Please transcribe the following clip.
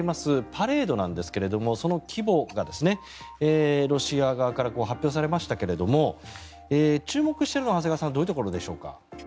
パレードなんですけれどもその規模がロシア側から発表されましたが注目されているのは長谷川さんどういうところでしょうか。